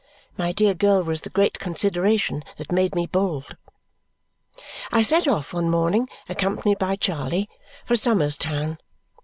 My dear girl was the great consideration that made me bold. I set off one morning, accompanied by Charley, for Somers Town.